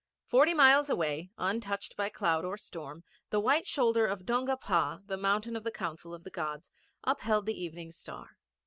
Forty miles away, untouched by cloud or storm, the white shoulder of Donga Pa the Mountain of the Council of the Gods upheld the Evening Star.